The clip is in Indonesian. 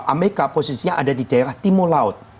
amerika posisinya ada di daerah timur laut